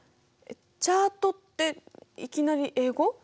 チャートっていきなり英語？